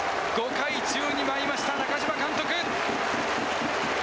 ５回、宙に舞いました中嶋監督。